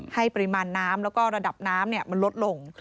ปริมาณน้ำแล้วก็ระดับน้ำมันลดลง